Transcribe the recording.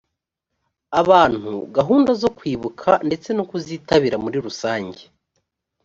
abantu gahunda zo kwibuka ndetse no kuzitabira muri rusange